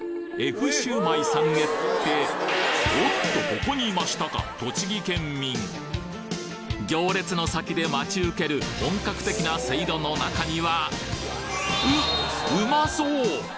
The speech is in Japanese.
福シウマイさんへっておっとここにいましたか栃木県民行列の先で待ち受ける本格的なセイロの中にはううまそう！